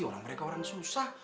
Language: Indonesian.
orang mereka orang susah